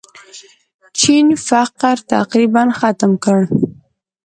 چین فقر تقریباً ختم کړ.